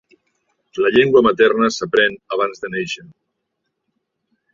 La llengua materna s'aprèn abans de néixer.